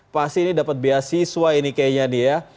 pasti ini dapat beasiswa ini kayaknya dia